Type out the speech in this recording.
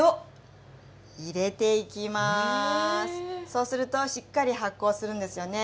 ⁉そうするとしっかり発酵するんですよね。